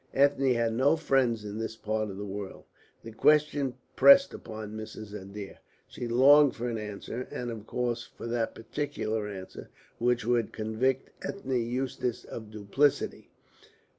Ethne had no friends in this part of the world. The question pressed upon Mrs. Adair. She longed for an answer, and of course for that particular answer which would convict Ethne Eustace of duplicity.